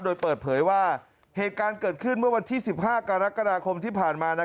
โดยเปิดเผยว่าเหตุการณ์เกิดขึ้นเมื่อวันที่๑๕กรกฎาคมที่ผ่านมา